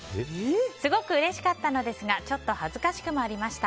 すごくうれしかったのですがちょっと恥ずかしくもありました。